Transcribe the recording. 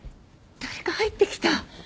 誰か入ってきた！